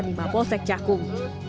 pemeriksaan lima polsek cakung